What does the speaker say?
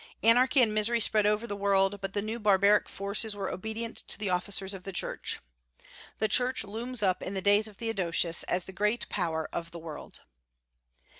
Anarchy and misery spread over the world; but the new barbaric forces were obedient to the officers of the Church. The Church looms up in the days of Theodosius as the great power of the world.